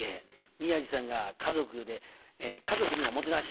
宮治さんが「家族におもてなし‼」。